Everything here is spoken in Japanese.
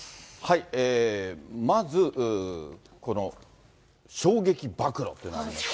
まずこの衝撃暴露というのがありまして。